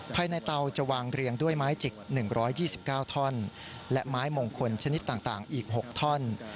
ภายในเตาจะวางเรียงด้วยไม้จิกหนึ่งร้อยยี่สิบเก้าท่อนและไม้มงคลชนิดต่างต่างอีกหกท่อน